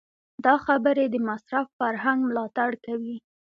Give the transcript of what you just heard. دا خبرې د مصرف فرهنګ ملاتړ کوي.